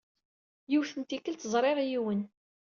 Yiwet n tikkelt, ẓriɣ yiwen.